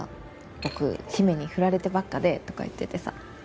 僕姫に振られてばっかでとか言っててさ。